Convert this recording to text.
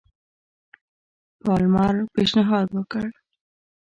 پالمر پېشنهاد وکړ.